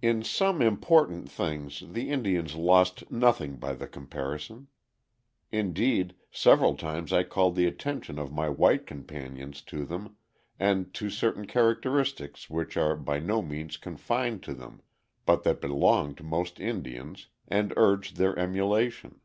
In some important things the Indians lost nothing by the comparison. Indeed, several times I called the attention of my white companions to them, and to certain characteristics which are by no means confined to them, but that belong to most Indians, and urged their emulation.